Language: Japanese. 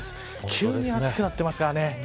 急に暑くなってますからね。